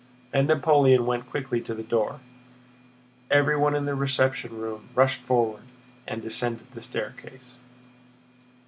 And Napoleon went quickly to the door. Everyone in the reception room rushed forward and descended the staircase.